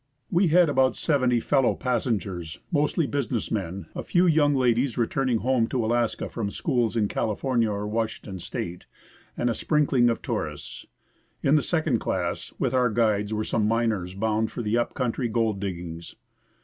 We had about seventy fellow passengers, mostly business men, a few young ladies returning home to Alaska from schools in Cali fornia or Washington State, and a sprinkling of tourists. In the second class, with our guides, were some miners, bound for the up country gold diggings.